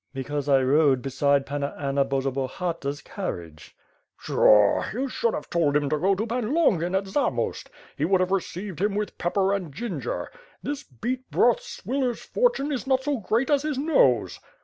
"Because I rode beside Panna Anna Borzobahata's car riage." "Pshaw! You should have told him to go to Pan Longin at Zamost. He would have received him with pepper and ginger; this beet broth swiller's fortune is not so great as his nose."